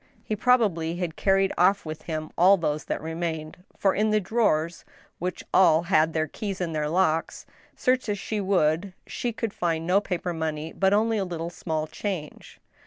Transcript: He probably had carried off with him all those that remained, for in the drawers, which all had their keys in their locks, search as she would she could find no paper money, but only a little small change.